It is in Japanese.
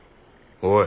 おい！